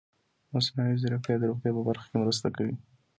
مصنوعي ځیرکتیا د روغتیا په برخه کې مرسته کوي.